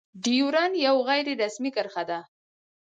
ډيورنډ يو غير رسمي کرښه ده.